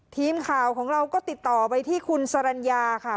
ทีมข่าวของเราก็ติดต่อไปที่คุณสรรญาค่ะ